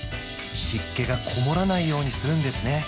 湿気がこもらないようにするんですね